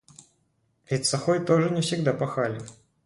Ведь сохой тоже не всегда пахали.